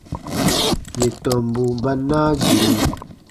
Yè tɔmbu ba naa gire.